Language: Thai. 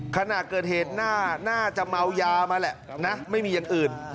ขณะเกิดเหตุน่าจะเมายามาแหละนะไม่มีอย่างอื่น